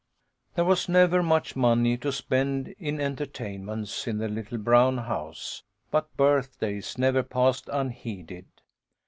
There was never much money to spend in enter tainments in the little brown house, but birthdays never passed unheeded.